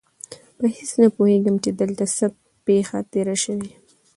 په هېڅ نه پوهېږم چې دلته څه پېښه تېره شوې.